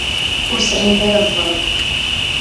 Ur sɛint ara zzerb.